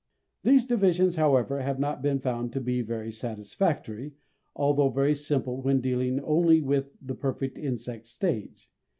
These divisions, however, have not been found to be very satisfactory, although very simple when dealing only with the perfect insect stage.